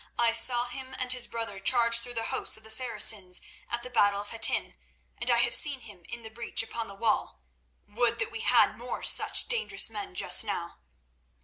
I saw him and his brother charge through the hosts of the Saracens at the battle of Hattin, and I have seen him in the breach upon the wall. Would that we had more such dangerous men just now!"